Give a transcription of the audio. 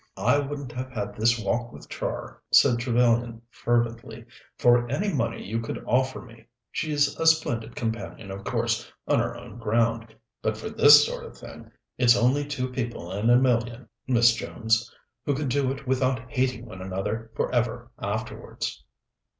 "I wouldn't have had this walk with Char," said Trevellyan fervently, "for any money you could offer me. She's a splendid companion, of course, on her own ground, but for this sort of thing it's only two people in a million, Miss Jones, who could do it without hating one another for ever afterwards."